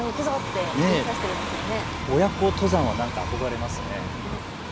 親子登山は憧れますね。